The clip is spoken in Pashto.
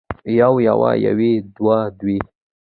يو يوه يوې دوه دوې